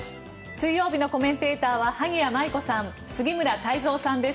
水曜日のコメンテーターは萩谷麻衣子さん杉村太蔵さんです。